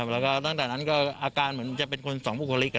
แล้วก็ตั้งแต่นั้นก็อาการเหมือนจะเป็นคนสองบุคลิก